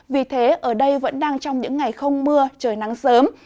vì thế ở đây vẫn đang trong những ngày không mưa trời nắng sớm